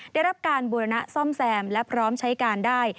ได้รับการบูรณะซ่อมแซมและพร้อมใช้การได้